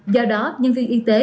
do đó nhân viên y tế